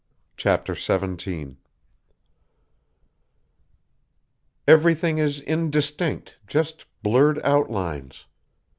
CHAPTER XVII "Everything is indistinct, just blurred outlines.